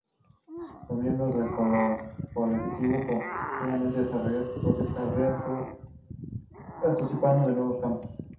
Los miembros del Colectivo continuaron desarrollando sus propias carreras o participando en nuevos campos.